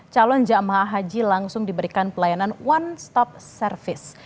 calon jemaah haji langsung diberikan pelayanan one stop service